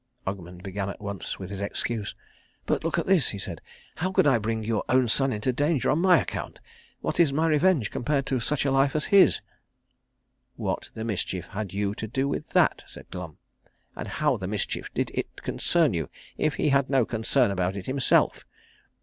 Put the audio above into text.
Ogmund began at once with his excuse. "But look at this," he said. "How could I bring your own son into danger on my account? What is my revenge compared to such a life as his?" "What the mischief had you to do with that?" said Glum. "And how the mischief did it concern you, if he had no concern about it himself?